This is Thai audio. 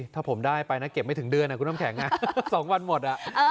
ถ้าผมได้ไปนะเก็บไม่ถึงเดือนคุณน้ำแข็ง๒วันหมด